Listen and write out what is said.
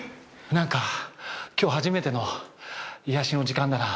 何か今日初めての癒やしの時間だな。